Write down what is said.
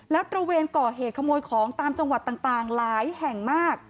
แล้วตระเวนก่อเหตุขโมยของตามจังหวัดต่างหลายแห่งมาก